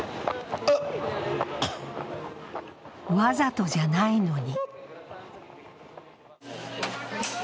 わざとじゃないのに。